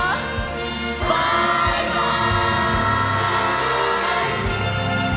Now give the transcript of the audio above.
バイバイ！